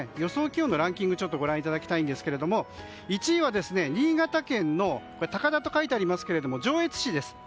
気温のランキングをご覧いただきたいんですけども１位は新潟県の高田と書いてありますが上越市です。